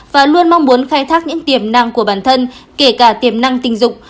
và luôn mong muốn khai thác những tiềm năng của bản thân kể cả tiềm năng tình dục